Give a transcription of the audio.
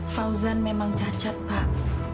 fauzan memang cacat pak